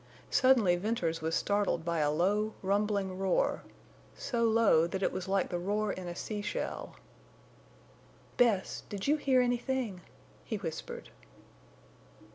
Suddenly Venters was startled by a low, rumbling roar—so low that it was like the roar in a sea shell. "Bess, did you hear anything?" he whispered.